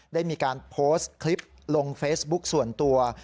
ได้มีการโพสต์คลิปลงเฟซบุ๊กส่วนตัว